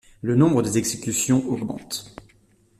Le nombre des exécutions augmente.